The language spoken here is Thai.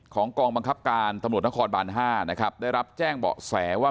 กองบังคับการตำรวจนครบาน๕นะครับได้รับแจ้งเบาะแสว่า